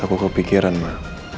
aku kepikiran mak